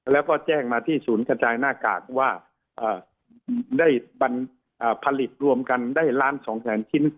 แล้วก็แจ้งมาที่ศูนย์กระจายหน้ากากว่าได้ผลิตรวมกันได้ล้านสองแสนชิ้น